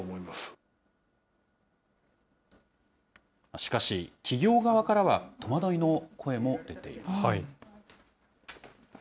しかし、企業側からは戸惑いの声も出ています。